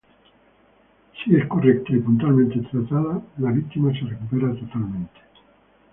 Si es correcta y puntualmente tratada, la víctima se recupera totalmente.